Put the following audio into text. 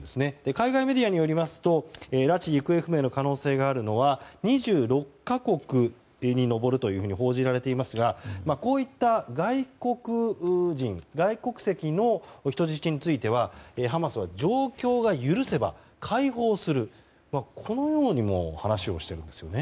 海外メディアによりますと拉致・行方不明の可能性があるのは２６か国に上るというふうに報じられていますがこういった外国人、外国籍の人質についてはハマスは状況が許せば解放するとこのようにも話をしているんですよね。